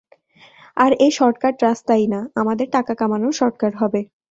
আর এই শর্টকাট রাস্তাই না, আমাদের টাকা কামানোর শর্টকাট হবে।